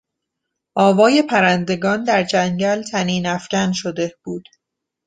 آوای پرندگان در جنگل طنینافکن شده بود.